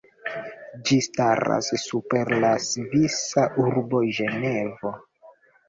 Ĝi staras super la svisa urbo Ĝenevo.